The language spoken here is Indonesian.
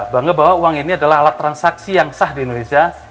bangga bahwa uang ini adalah alat transaksi yang sah di indonesia